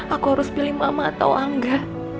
aku harus pilih mama atau enggak